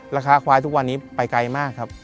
ราคาควายทุกวันนี้ไปไกลมากครับ